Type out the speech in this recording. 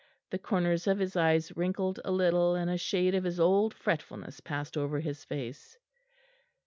The corners of his eyes wrinkled a little, and a shade of his old fretfulness passed over his face.